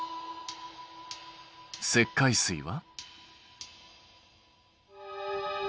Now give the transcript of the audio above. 石灰水は？